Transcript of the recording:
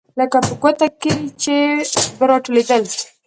لکه په کوټه کښې چې به راټولېدل.